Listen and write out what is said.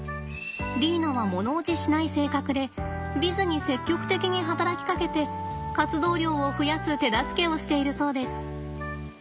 リーナは物おじしない性格でヴィズに積極的に働きかけて活動量を増やす手助けをしているそうです。